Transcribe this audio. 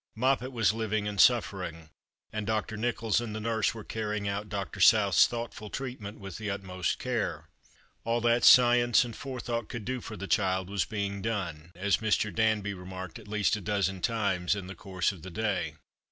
:\toppet was living and suffer ing ; and Dr. Xicholls and the nurse were carrying out Dr. South's thoughtful treatment with the utmost care. All that science and forethought could do for the child was being done, as ]Mr. Dauby remarked at least a dozen times in the course of the day.